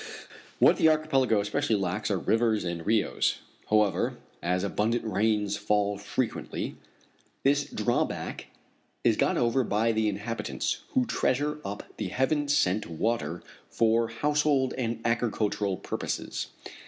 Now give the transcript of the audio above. What the archipelago especially lacks are rivers and rios. However, as abundant rains fall frequently, this drawback is got over by the inhabitants, who treasure up the heaven sent water for household and agricultural purposes.